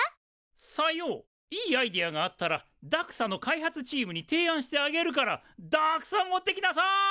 いいアイデアがあったらＤＡＸＡの開発チームに提案してあげるからだくさん持ってきなさい！